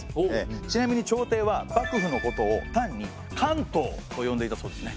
ちなみに朝廷は幕府のことを単に「関東」と呼んでいたそうですね。